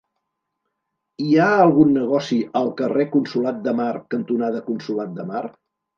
Hi ha algun negoci al carrer Consolat de Mar cantonada Consolat de Mar?